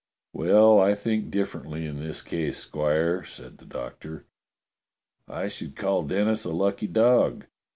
"Well, I think differently in this case. Squire," said the Doctor. "I should call Denis a lucky dog.